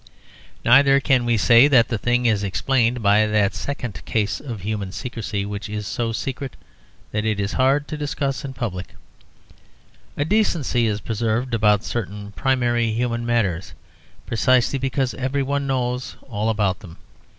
Neither can we say that the thing is explained by that second case of human secrecy which is so secret that it is hard to discuss it in public. A decency is preserved about certain primary human matters precisely because every one knows all about them.